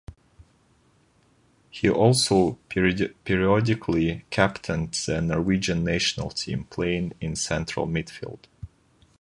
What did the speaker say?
He also periodically captained the Norwegian national team, playing in central midfield.